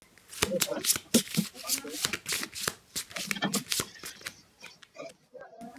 The floodplain at the confluence with the Save River is an important wetland.